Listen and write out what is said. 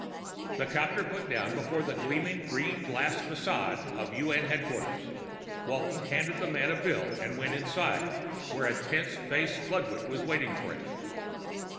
The copter put down before the gleaming green glass facade of UN Headquarters; Walton handed the man a bill and went inside, where a tense faced Ludwig was waiting for him.